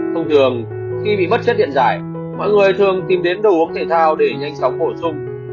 thông thường khi bị mất chất điện giải mọi người thường tìm đến đồ uống thể thao để nhanh chóng bổ sung